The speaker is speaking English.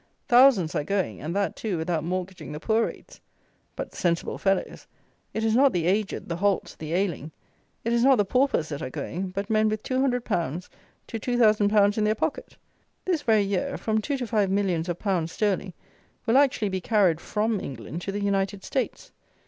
Thousands are going, and that, too, without mortgaging the poor rates. But, sensible fellows! it is not the aged, the halt, the ailing; it is not the paupers that are going; but men with from 200_l._ to 2,000_l._ in their pocket! This very year, from two to five millions of pounds sterling will actually be carried from England to the United States.